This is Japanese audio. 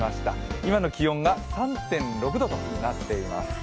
今の気温が３．６度となっています。